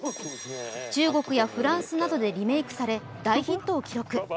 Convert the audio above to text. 中国やフランスなどでリメークされ大ヒットを記録。